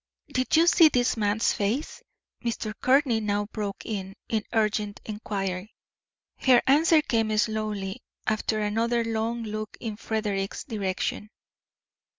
"Did you see this man's face?" Mr. Courtney now broke in, in urgent inquiry. Her answer came slowly, after another long look in Frederick's direction.